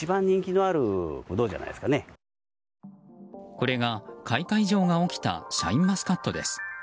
これが開花異常が起きたシャインマスカットです。